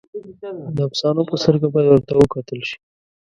د افسانو په سترګه باید ورته وکتل شي.